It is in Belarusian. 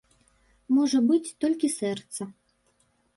Можа быць, толькі сэрца.